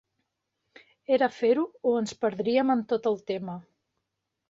Era fer-ho o ens perdríem en tot el tema.